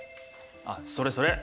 あっそれそれ。